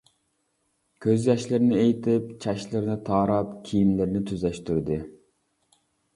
كۆز ياشلىرىنى ئېيتىپ، چاچلىرىنى تاراپ، كىيىملىرىنى تۈزەشتۈردى.